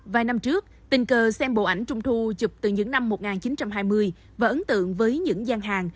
vài năm trước tình cờ xem bộ ảnh trung thu chụp từ những năm một nghìn chín trăm hai mươi và ấn tượng với những gian hàng